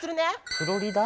フロリダ？